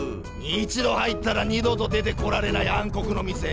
一度入ったら二度と出てこられない暗黒の店！